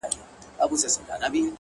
مُلا سړی سو په خپل وعظ کي نجلۍ ته ويل؛